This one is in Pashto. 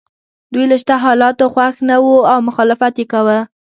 دوی له شته حالاتو خوښ نه وو او مخالفت یې کاوه.